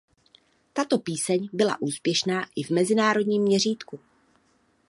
Tato píseň byla úspěšná i v mezinárodním měřítku.